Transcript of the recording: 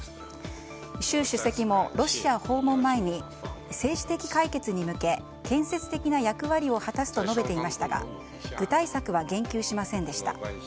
習主席もロシア訪問前に政治的解決に向け建設的な役割を果たすと述べていましたが具体策は言及しませんでした。